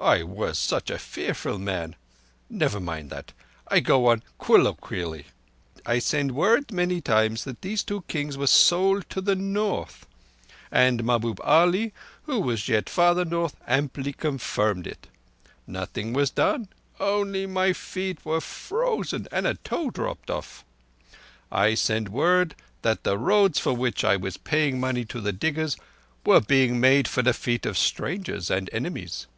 I was such a fearful man. Nevar mind thatt. I go on colloquially ... I send word many times that these two Kings were sold to the North; and Mahbub Ali, who was yet farther North, amply confirmed it. Nothing was done. Only my feet were frozen, and a toe dropped off. I sent word that the roads for which I was paying money to the diggers were being made for the feet of strangers and enemies."